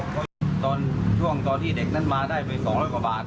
เมื่อก่อนที่เด็กนั้นมาได้ไป๒๐๐กว่าบาท